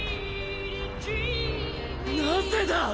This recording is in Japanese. なぜだ？